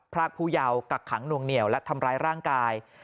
รากผู้เยาวกักขังนวงเหนียวและทำร้ายร่างกาย